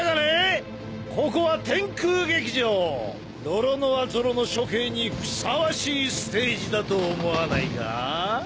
ロロノア・ゾロの処刑にふさわしいステージだと思わないか？